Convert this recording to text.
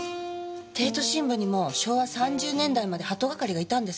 帝都新聞にも昭和３０年代まで鳩係がいたんです。